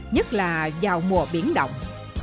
nhất là vào mùa biển động